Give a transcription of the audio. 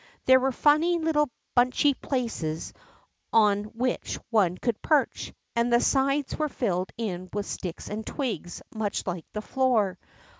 There were funny little bunchy places on 56 THE ROCK FROG which one could perch, and the sides were filled in with sticks and twigs much like the door.